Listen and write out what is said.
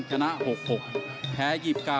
ชนะ๖๖แพ้๒๙